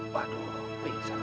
waduh pengisah lagi